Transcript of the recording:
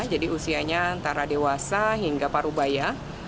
jadi usianya antara dewasa hingga parubaya